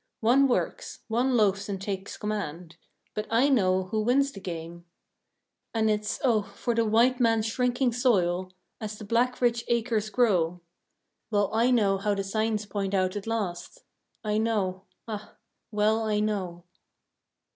One works; one loafs and takes command; But I know who wins the game! And it's, oh, for the white man's shrinking soil, As the black's rich acres grow! Well I know how the signs point out at last, I know; ah, well I know!